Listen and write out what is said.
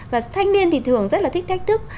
và thanh niên thì thường rất là thích thách thức